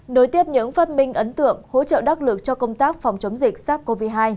nối tiếp những phát minh ấn tượng hỗ trợ đắc lực cho công tác phòng chống dịch sars cov hai